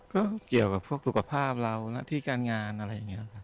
ก็เกี่ยวกับพวกสุขภาพเราหน้าที่การงานอะไรอย่างนี้ครับ